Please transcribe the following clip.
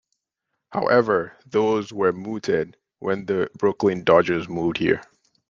However, those were mooted when the Brooklyn Dodgers moved there.